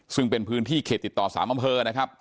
ซึ่งเป็นพื้นที่เขตติดต่อ๓อำเภอนะครับ